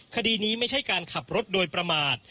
คดีนี้ไม่ใช่การขับรถโดยประมาท